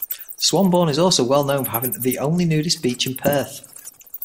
Swanbourne is also well known for having the only nudist beach in Perth.